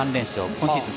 今シーズン